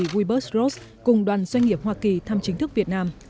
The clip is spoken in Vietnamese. wilbur gross cùng đoàn doanh nghiệp hoa kỳ thăm chính thức việt nam